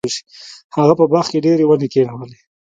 هغه په باغ کې ډیرې ونې کینولې.